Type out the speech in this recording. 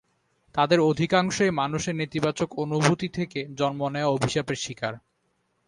তাদের অধিকাংশই মানুষের নেতিবাচক অনুভূতি থেকে জন্ম নেওয়া অভিশাপের শিকার।